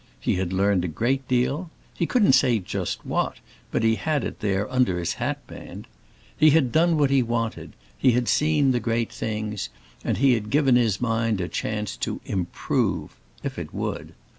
He had learned a great deal; he couldn't say just what, but he had it there under his hat band. He had done what he wanted; he had seen the great things, and he had given his mind a chance to "improve," if it would.